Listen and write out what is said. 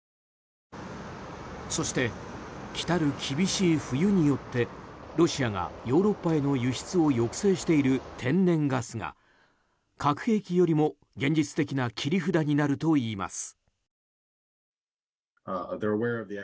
そして、来る厳しい冬によってロシアが、ヨーロッパへの輸出を抑制している天然ガスが、核兵器よりも現実的な切り札になるといいます。